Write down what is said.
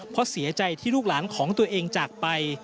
เพราะเสียใจที่ลูกหลานของตัวเองจากไป